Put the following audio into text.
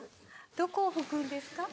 どこを拭くんですか？